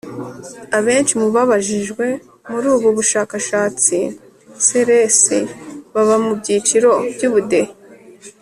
Abenshi mu babajijwe muri ubu bushakashatsi crc baba mu byiciro by ubudehe